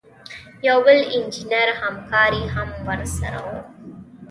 یو بل انجینر همکار یې هم ورسره و.